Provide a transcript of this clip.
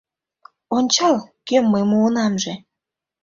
— Ончал, кӧм мый муынамже!